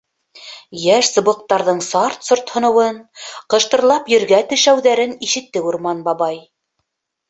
Йәш сыбыҡтарҙың сарт-сорт һыныуын, ҡыштырлап ергә тешәүҙәрен ишетте Урман бабай.